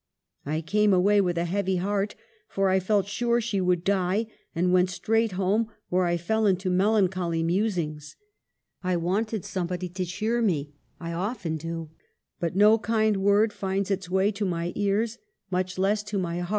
I came away with a heavy heart, for I felt sure she would die, and went straight home, where I fell into melancholy musings. I wanted some body to cheer me. I often do ; but no kind word finds its way to my ears, much less to my heart. 1 Mrs. Gaskell.